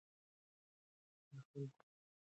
د خلکو زړونه دغو دروغو اتلانو ته کېږي.